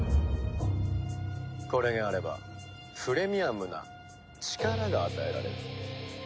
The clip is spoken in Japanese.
これがあればプレミアムな力が与えられる。